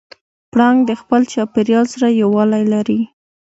پړانګ د خپل چاپېریال سره یووالی لري.